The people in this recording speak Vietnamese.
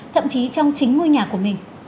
thậm chí trong chính ngôi nhà của mình